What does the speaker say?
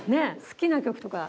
好きな曲とか。